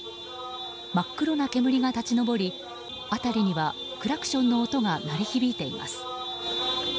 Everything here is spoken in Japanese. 真っ黒な煙が立ち上り辺りにはクラクションの音が鳴り響いています。